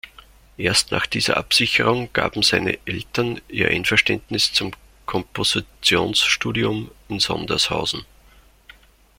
Erst nach dieser Absicherung gaben seine Eltern ihr Einverständnis zum Kompositionsstudium in Sondershausen.